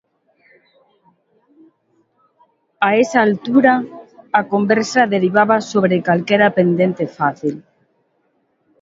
A esa altura, a conversa derivaba sobre calquera pendente fácil.